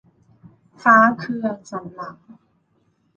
ฟ้าเคืองสันหลัง